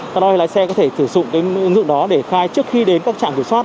các lái xe có thể sử dụng cái ứng dụng đó để khai trước khi đến các trạm kiểm soát